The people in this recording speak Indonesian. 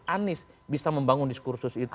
anies bisa membangun diskursus itu